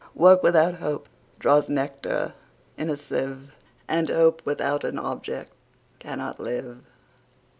Work without Hope draws nectar in a sieve, And Hope without an object cannot live.